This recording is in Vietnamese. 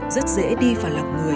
rất dễ đi vào lòng người